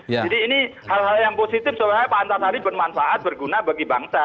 jadi ini hal hal yang positif soalnya pak antasari bermanfaat berguna bagi bangsa